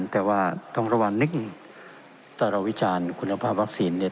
แต่ว่าต้องระวังนิดนึงถ้าเราวิจารณ์คุณภาพวัคซีนเนี่ย